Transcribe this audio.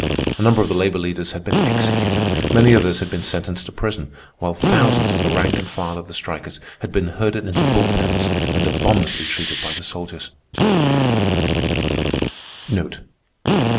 A number of the labor leaders had been executed; many others had been sentenced to prison, while thousands of the rank and file of the strikers had been herded into bull pens and abominably treated by the soldiers.